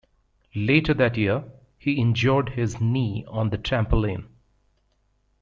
Later that year, he injured his knee on the trampoline.